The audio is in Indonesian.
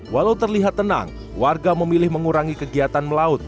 walau terlihat tenang warga memilih mengurangi kegiatan melaut